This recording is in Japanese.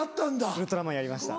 ウルトラマンやりました。